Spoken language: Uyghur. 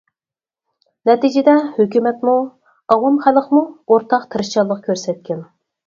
نەتىجىدە ھۆكۈمەتمۇ، ئاۋام خەلقمۇ ئورتاق تىرىشچانلىق كۆرسەتكەن.